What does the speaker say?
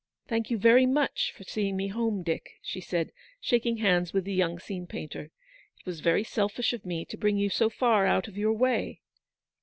u Thank you very much for seeing me home, Dick," she said, shaking hands with the young scene painter. " It was very selfish of me to bring you so far out of your way."